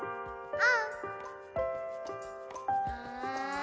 「あ！！！」